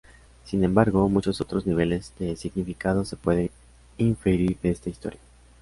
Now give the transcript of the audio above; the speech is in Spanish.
Sin embargo, muchos otros niveles de significado se pueden inferir de esta historia.